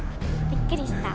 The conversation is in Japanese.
びっくりした？